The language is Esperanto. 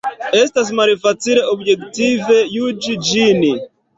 Estas malfacile objektive juĝi ĝin.